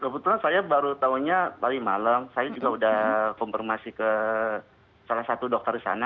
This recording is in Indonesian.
kebetulan saya baru tahunya tadi malam saya juga sudah konfirmasi ke salah satu dokter di sana